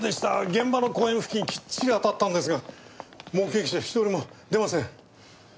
現場の公園付近きっちり当たったんですが目撃者は１人も出ません。